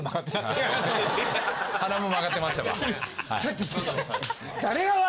鼻も曲がってましたわはい。